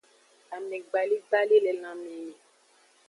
Amegbaligbali le lanme ni.